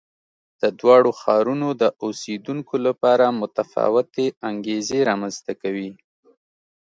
د دواړو ښارونو د اوسېدونکو لپاره متفاوتې انګېزې رامنځته کوي.